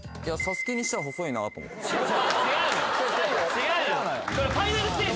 違うよ